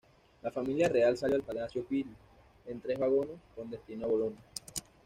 La familia real salió del Palacio Pitti en tres vagones, con destino a Bolonia.